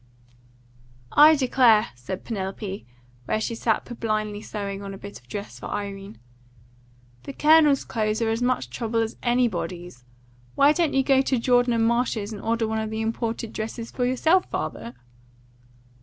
"I declare," said Penelope, where she sat purblindly sewing on a bit of dress for Irene, "the Colonel's clothes are as much trouble as anybody's. Why don't you go to Jordan & Marsh's and order one of the imported dresses for yourself, father?"